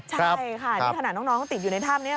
ใช่ค่ะนี่ขนาดน้องเขาติดอยู่ในถ้ำนี้